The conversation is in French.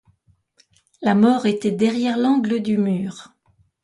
La mort était derrière l'angle du mur.